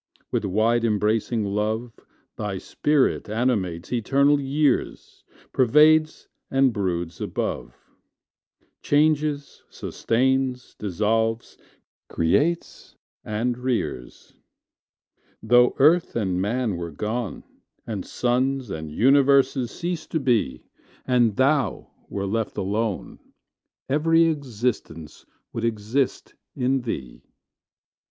With wide embracing love Thy spirit animates eternal years Pervades and broods above, Changes, sustains, dissolves, creates, and rears. Though earth and man were gone, And suns and universes ceased to be, And Thou were left alone, Every existence would exist in Thee.